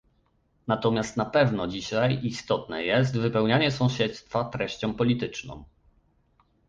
Natomiast na pewno dzisiaj istotne jest wypełnienie sąsiedztwa treścią polityczną